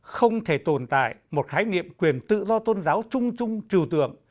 không thể tồn tại một khái niệm quyền tự do tôn giáo trung trung trừ tượng